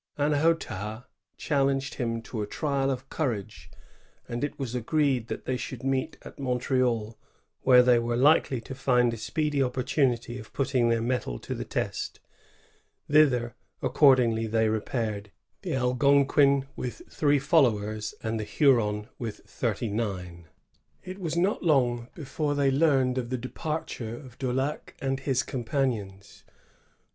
Annahotaha challenged him to a trial of courage, and it was agreed that they should meet at Montreal, where they were likely to find a speedy opportunity of putting their mettle to the test Thither, accord ^gljf tibey repaired, the Algonquin with three followers, and the Huron with thirty nine. It was not long before they learned the departure of Daulac and his companions.